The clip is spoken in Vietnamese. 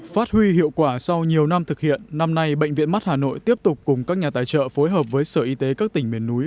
phát huy hiệu quả sau nhiều năm thực hiện năm nay bệnh viện mắt hà nội tiếp tục cùng các nhà tài trợ phối hợp với sở y tế các tỉnh miền núi